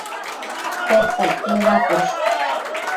Tedtacquid naposh